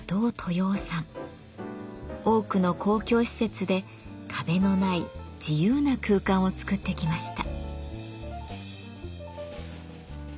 多くの公共施設で壁のない自由な空間をつくってきました。